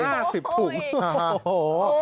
ห้าสิบถุงโอ้โห